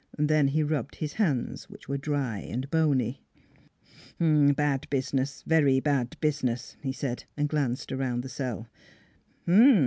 Then he rubbed his hands, which were dry and bony. " A bad business a very bad business," he said, and glanced around the cell.